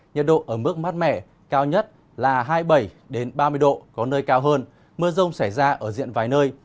nhiệt độ ở mức mát mẻ cao nhất là hai mươi bảy ba mươi độ có nơi cao hơn mưa rông xảy ra ở diện vài nơi